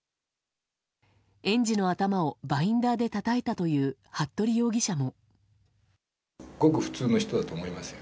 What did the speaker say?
園児の頭をバインダーでたたいたという服部容疑者も。